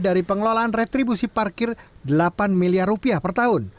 dari pengelolaan retribusi parkir delapan miliar rupiah per tahun